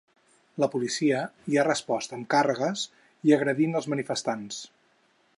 La policia hi ha respost amb càrregues i agredint els manifestants.